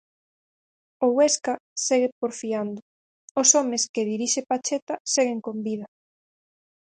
O Huesca segue porfiando, os homes que dirixe Pacheta seguen con vida.